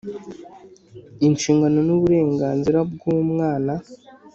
Inshingano n uburenganzira bw umwana